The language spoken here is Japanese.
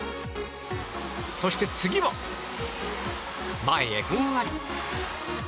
そして次は、前へふんわり。